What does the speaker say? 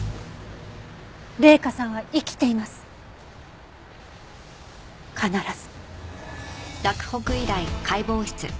麗華さんは生きています必ず。